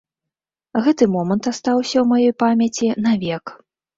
Гэты момант астаўся ў маёй памяці навек.